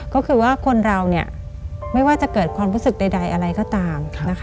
ก็คือว่าคนเราไม่ว่าจะเกิดความรู้สึกใดอะไรก็ตาม